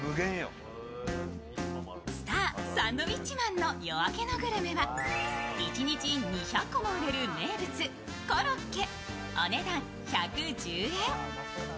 スター・サンドウィッチマンの夜明けのグルメは一日２００個も売れる名物コロッケ、お値段１１０円。